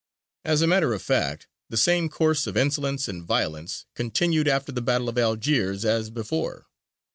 As a matter of fact the same course of insolence and violence continued after the Battle of Algiers as before.